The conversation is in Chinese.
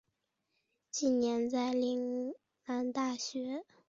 近年在岭南大学文化研究系及香港中文大学宗教及文化研究系任兼职讲师。